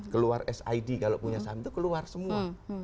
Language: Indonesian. keluar sid kalau punya saham itu keluar semua